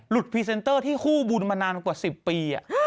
พรีเซนเตอร์ที่คู่บุญมานานกว่า๑๐ปี